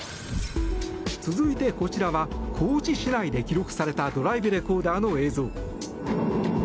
続いてこちらは高知市内で記録されたドライブレコーダーの映像。